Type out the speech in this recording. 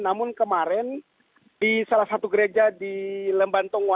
namun kemarin di salah satu gereja di lembanto